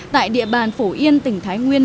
tại địa bàn phổ yên tỉnh thái nguyên